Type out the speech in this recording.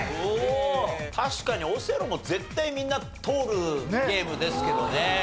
確かにオセロも絶対みんな通るゲームですけどね。